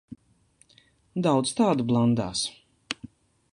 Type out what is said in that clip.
Daudz tādu blandās.